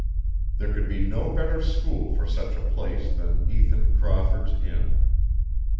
There could be no better school for such a place than Ethan Crawford's inn.